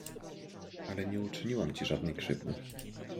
Ale nie uczyniłam ci żadnej krzywdy.